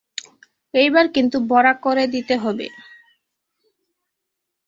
এইবাব কিন্তু বড়া করে দিতে হবে।